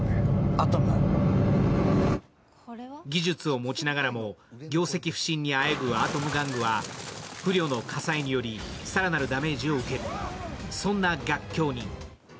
技術を持ちながらも業績不振にあえぐアトム玩具は、不慮の火災により更なるダメージを受ける。